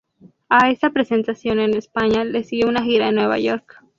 A esta presentación en España le siguió una gira en Nueva York.